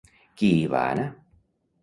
Qui hi va anar?